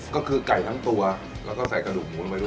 ก็คือไก่ทั้งตัวแล้วก็ใส่กระดูกหมูลงไปด้วย